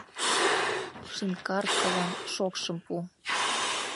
Шинкаркылан шокшым пу.